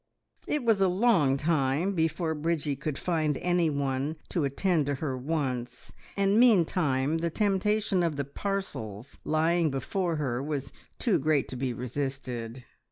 It was a long time before Bridgie could find anyone to attend to her wants, and meantime the temptation of the parcels lying before her was too great to be resisted.